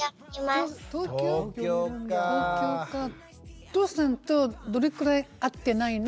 お父さんとどれくらい会ってないの？